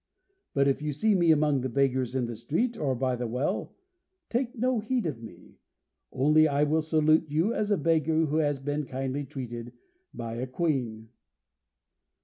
But if you see me among the beggars in the street, or by the well, take no heed of me, only I will salute you as a beggar who has been kindly treated by a Queen."